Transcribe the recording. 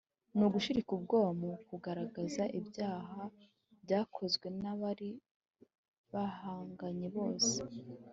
ni ugushirika ubwoba mu kugaragaza ibyaha byakozwe n'abari bahanganye bose,